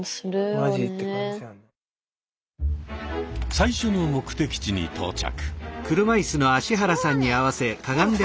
最初の目的地に到着。